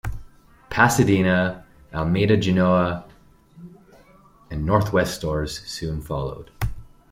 Pasadena, Almeda-Genoa, and Northwest stores soon followed.